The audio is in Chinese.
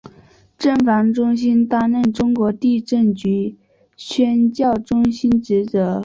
震防中心承担中国地震局宣教中心职责。